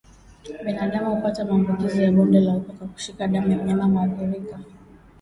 Binadamu hupata maambukizi ya bonde la ufa kwa kushika damu ya mnyama muathirika